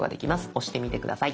押してみて下さい。